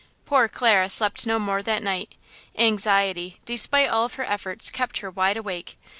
Poor Clara slept no more that night; anxiety, despite of all her efforts, kept her wide awake.